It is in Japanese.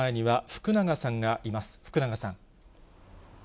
福永さん。